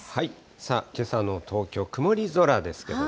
さあ、けさの東京、曇り空ですけどね。